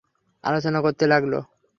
আলোচনা করতে লাগল।